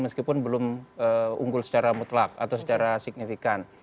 meskipun belum unggul secara mutlak atau secara signifikan